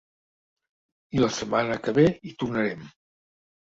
I la setmana que ve hi tornarem.